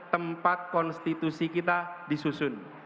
tempat konstitusi kita disusun